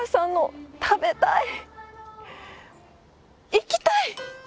行きたい！